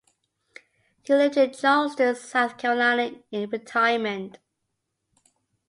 He lived in Charleston, South Carolina in retirement.